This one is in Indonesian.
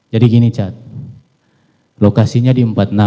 jadi gini chat lokasinya di empat puluh enam